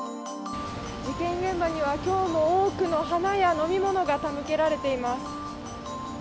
事件現場には今日も多くの花や飲み物が手向けられています。